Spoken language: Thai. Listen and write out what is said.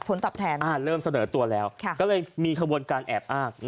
ฝนตับแทนอ่าเริ่มเสนอตัวแล้วก็เลยมีขบวนการแอบอ้าง